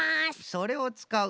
それをつかう。